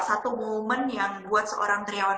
satu momen yang buat seorang triawan